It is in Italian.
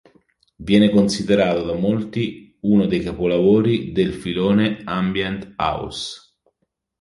Viene considerato da molti uno dei capolavori del filone "ambient house".